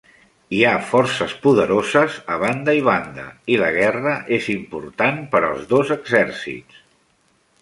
Hi ha forces poderoses a banda i banda, i la guerra és important per als dos exèrcits.